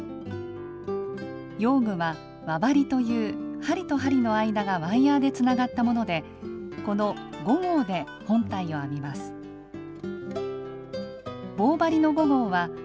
用具は輪針という針と針の間がワイヤーでつながったものでこの５号で本体を編みます。